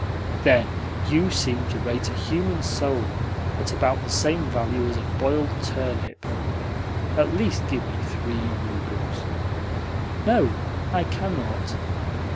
"Then you seem to rate a human soul at about the same value as a boiled turnip. At least give me THREE roubles." "No, I cannot."